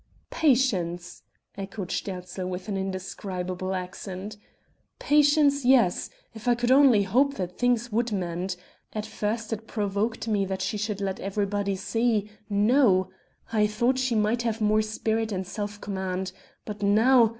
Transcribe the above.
"Patience!" echoed Sterzl with an indescribable accent. "Patience! yes, if I could only hope that things would mend. At first it provoked me that she should let everybody see ... know ... I thought she might have more spirit and self command. But now.